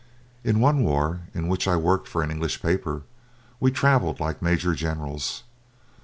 In one war, in which I worked for an English paper, we travelled like major generals.